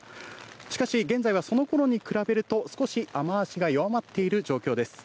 しかし現在はそのころに比べると、少し雨足が弱まっている状況です。